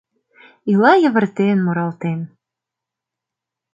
Ила йывыртен, муралтен.